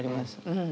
うん。